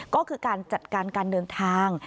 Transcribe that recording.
ก็คือการจัดการการเดินทาง